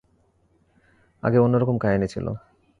আগে অন্যরকম কাহিনী ছিলো।